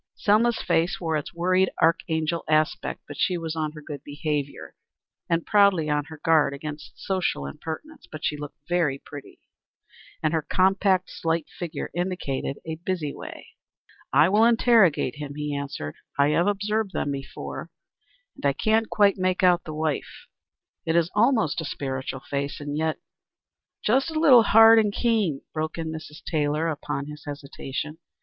Selma's face wore its worried archangel aspect. She was on her good behavior and proudly on her guard against social impertinence. But she looked very pretty, and her compact, slight figure indicated a busy way. "I will interrogate him," he answered. "I have observed them before, and and I can't quite make out the wife. It is almost a spiritual face, and yet " "Just a little hard and keen," broke in Mrs. Taylor, upon his hesitation.